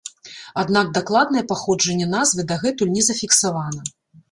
Аднак дакладнае паходжанне назвы дагэтуль не зафіксавана.